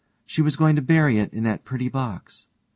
She was going to bury it in that pretty box.